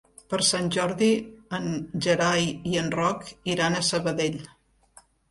Per Sant Jordi en Gerai i en Roc iran a Sabadell.